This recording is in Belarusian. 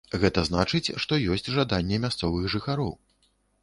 Гэта значыць, што ёсць жаданне мясцовых жыхароў.